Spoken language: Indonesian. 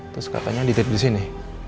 terus katanya dititip disini